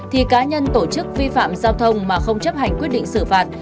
thì cá nhân tổ chức vi phạm giao thông mà không chấp hành quyết định xử phạt